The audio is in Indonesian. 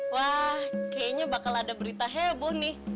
wah kayaknya bakal ada berita heboh nih